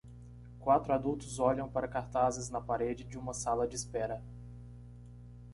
Quatro adultos olham para cartazes na parede de uma sala de espera.